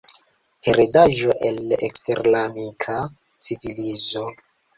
Heredaĵo el eksteramerika civilizo?